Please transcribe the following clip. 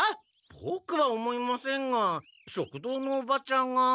ボクは思いませんが食堂のおばちゃんが。